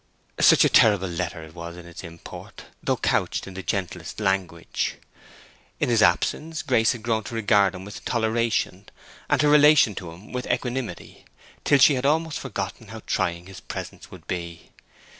Such a terrible letter it was in its import, though couched in the gentlest language. In his absence Grace had grown to regard him with toleration, and her relation to him with equanimity, till she had almost forgotten how trying his presence would be.